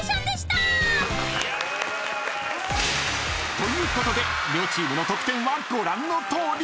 ［ということで両チームの得点はご覧のとおり］